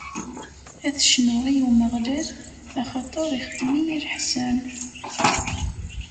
Ad cnuɣ i Umeɣlal, axaṭer ixeddem-iyi leḥsan.